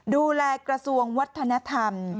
ดูแลกระทรวงวัฒนธรรม